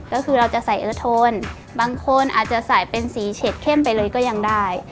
ก็คือเราจะใส่เอิร์ทโทนบางคนอาจจะใส่เป็นสีเฉดเข้มไปเลยก็ยังได้